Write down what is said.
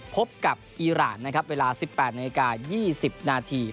พบกับอีรานนะครับเวลา๑๘นาฬิกา๒๐นาที